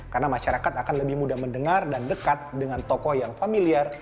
karena masyarakat akan lebih mudah mendengar dan dekat dengan tokoh yang familiar